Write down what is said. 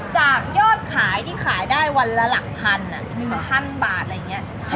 จากยอดขายที่ขายได้วันละหลักพัน๑๐๐บาทอะไรอย่างนี้